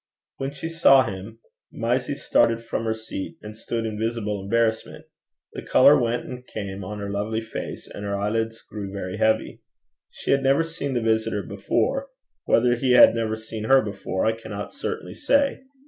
When she saw him, Mysie started from her seat, and stood in visible embarrassment. The colour went and came on her lovely face, and her eyelids grew very heavy. She had never seen the visitor before: whether he had ever seen her before, I cannot certainly say.